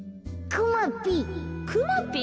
くまぴ。